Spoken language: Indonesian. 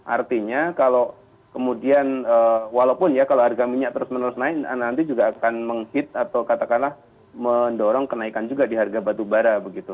artinya kalau kemudian walaupun ya kalau harga minyak terus menerus naik nanti juga akan menghit atau katakanlah mendorong kenaikan juga di harga batubara begitu